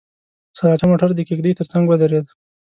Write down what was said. سراچه موټر د کېږدۍ تر څنګ ودرېد.